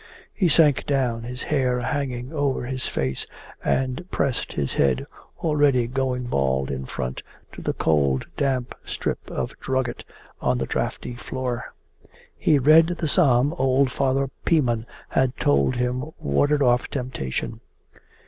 He sank down, his hair hanging over his face, and pressed his head, already going bald in front, to the cold damp strip of drugget on the draughty floor. He read the psalm old Father Pimon had told him warded off temptation.